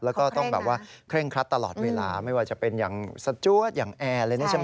แล้วก็ต้องแบบว่าเคร่งครัดตลอดเวลาไม่ว่าจะเป็นอย่างสจวดอย่างแอร์อะไรนี่ใช่ไหม